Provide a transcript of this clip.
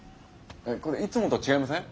これいつもと違いません？